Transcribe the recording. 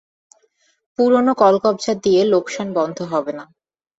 পুরোনো কলকবজা দিয়ে লোকসান বন্ধ হবে না।